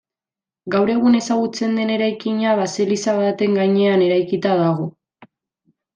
Gaur egun ezagutzen den eraikina baseliza baten gainean eraikita dago.